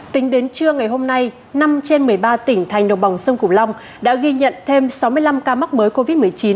tính đến trưa ngày hôm nay năm trên một mươi ba tỉnh thành đồng bằng sông củ long đã ghi nhận thêm sáu mươi năm ca mắc mới covid một mươi chín